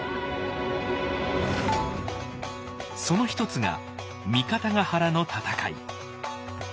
その一つが三方ヶ原の戦い。